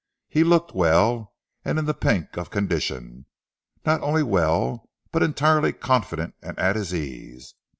He looked well and in the pink of condition; not only well but entirely confident and at his ease.